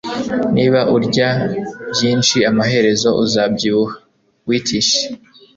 Niba urya byinshi amaherezo uzabyibuha (Wittich)